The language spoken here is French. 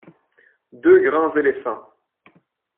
Deux grands éléphants.